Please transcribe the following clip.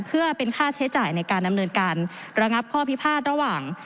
เพื่อเป็นค่าใช้จ่ายในการดำเนินการระงับข้อพิพาทระหว่าง